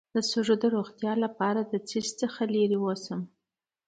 د سږو د روغتیا لپاره له څه شي لرې اوسم؟